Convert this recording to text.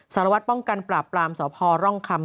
สารวัตรป้องกันปราบปรามสพร่องคำ